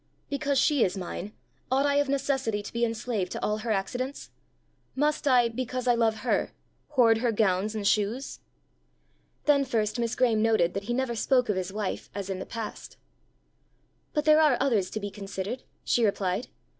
Because she is mine, ought I of necessity to be enslaved to all her accidents? Must I, because I love her, hoard her gowns and shoes?" Then first Miss Graeme noted that he never spoke of his wife as in the past. "But there are others to be considered," she replied.